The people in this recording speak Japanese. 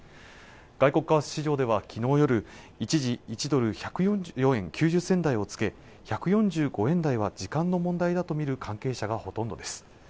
外国為替市場では昨日夜一時１ドル１４４円９０銭台をつけ１４５円台は時間の問題だと見る関係者がほとんどです